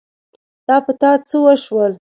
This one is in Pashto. دا په تا څه وشول ؟